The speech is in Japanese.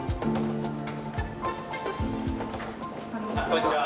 こんにちは。